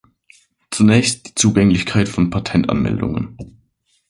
Zunächst die Zugänglichkeit von Patentanmeldungen.